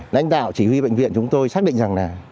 lãnh đạo chỉ huy bệnh viện chúng tôi xác định rằng là